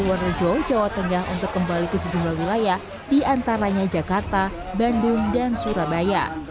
jawa timur dan perwarojo jawa tengah untuk kembali ke sejumlah wilayah di antaranya jakarta bandung dan surabaya